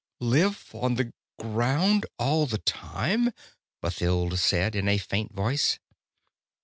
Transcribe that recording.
"Live on the ground all the time?" Mathild said in a faint voice.